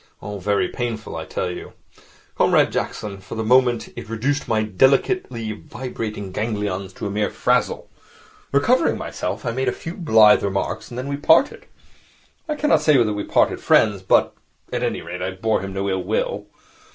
All very painful. I tell you, Comrade Jackson, for the moment it reduced my delicately vibrating ganglions to a mere frazzle. Recovering myself, I made a few blithe remarks, and we then parted. I cannot say that we parted friends, but at any rate I bore him no ill will.